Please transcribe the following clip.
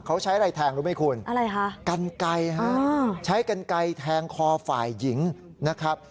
เขาใช้อะไรแทงรู้ไหมคุณอะไรฮะกันไกลฮะใช้กันไกลแทงคอฝ่ายหญิงนะครับ